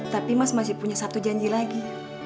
tapi mas masih punya satu janji lagi